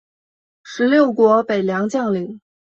十六国北凉将领。